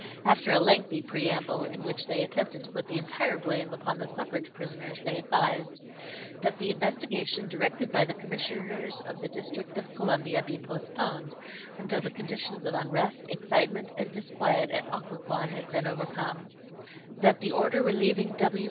After a lengthy preamble, in which they attempted to put the entire blame upon the suffrage prisoners, they advised: That the investigation directed by the Commissioners of the District of Columbia be postponed until the conditions of unrest, excitement, and disquiet at Occoquan have been overcome: That the order relieving W.